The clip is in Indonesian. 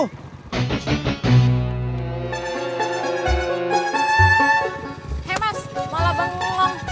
hei mas malah bangun ngom